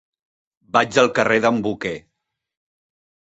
Vaig al carrer d'en Boquer.